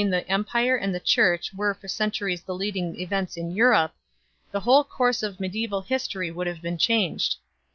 the Empire and the Church were for centuries the leading events in Europe, the whole course of medieval history would have been changed.